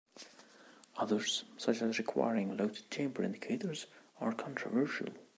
Others, such as requiring loaded chamber indicators, are controversial.